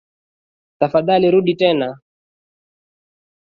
Tafadhali rudi tena